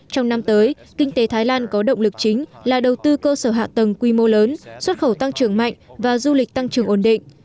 trong năm tới kinh tế thái lan có động lực chính là đầu tư cơ sở hạ tầng quy mô lớn xuất khẩu tăng trưởng mạnh và du lịch tăng trưởng ổn định